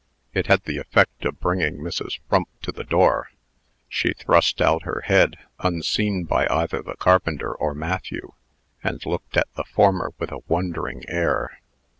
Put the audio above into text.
It had the effect of bringing Mrs. Frump to the door. She thrust out her head, unseen by either the carpenter or Matthew, and looked at the former with a wondering air.